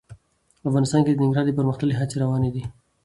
افغانستان کې د ننګرهار د پرمختګ هڅې روانې دي.